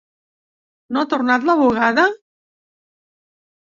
No ha tornat la bugada?